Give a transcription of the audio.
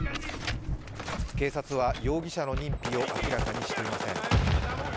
警察は容疑者の認否を明らかにしていません。